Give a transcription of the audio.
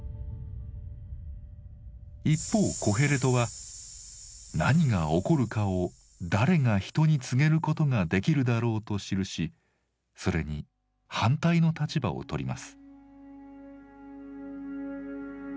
一方コヘレトは「何が起こるかを誰が人に告げることができるだろう」と記しそれに反対の立場をとります。